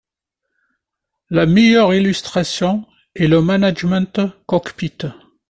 La meilleure illustration est le management cockpit.